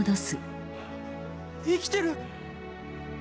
生きてる！